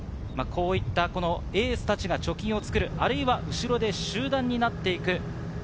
エースたちが貯金を作る、あるいは後ろで集団になっていく。